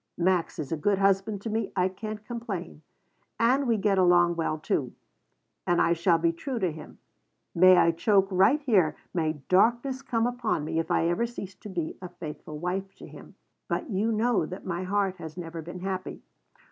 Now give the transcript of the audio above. Max is a good husband to me. I can't complain. And we get along well, too. And I shall be true to him. May I choke right here, may darkness come upon me, if I ever cease to be a faithful wife to him. But you know that my heart has never been happy.